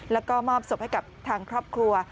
แล้วก็มอบศพให้กับทางครอบครัว